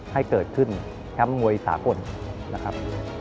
ให้เกิดขึ้นแชมป์มวยสากลนะครับ